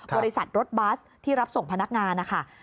บริษัทรถบัสที่รับส่งพนักงานนะคะ